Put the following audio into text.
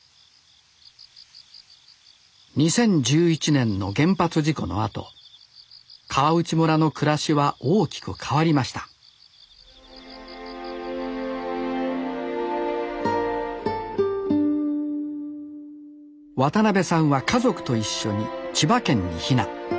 ２０１１年の原発事故のあと川内村の暮らしは大きく変わりました渡邉さんは家族と一緒に千葉県に避難。